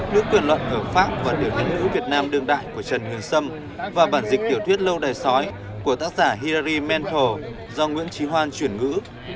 nước tuyển luận ở pháp và điều hành ngữ việt nam đương đại của trần hương sâm và bản dịch tiểu thuyết lâu đài sói của tác giả hillary mantle do nguyễn trí hoan chuyển ngữ